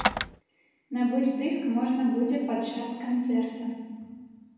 Набыць дыск можна будзе падчас канцэрта.